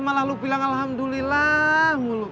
malah lu bilang alhamdulillah